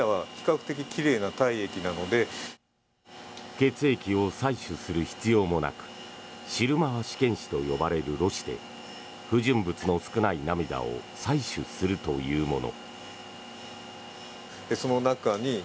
血液を採取する必要もなくシルマー試験紙と呼ばれるろ紙で不純物の少ない涙を採取するというもの。